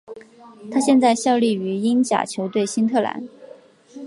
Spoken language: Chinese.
他现在效力于英甲球队新特兰。